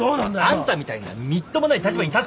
あんたみたいなみっともない立場に立つことはない。